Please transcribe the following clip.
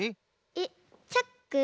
えっチャック？